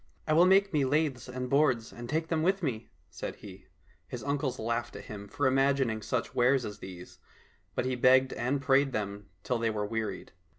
—" I will make me laths and boards and take them with me," said he. — His uncles laughed at him for imagining such wares as these, but he begged and prayed them till they were wearied.